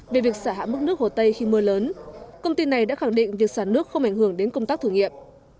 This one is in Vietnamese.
về việc xả hạ mức nước hồ tây khi mưa lớn công ty này đã khẳng định việc xả nước không ảnh hưởng đến công tác thử nghiệm